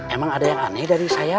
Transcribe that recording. emang ada yang aneh dari saya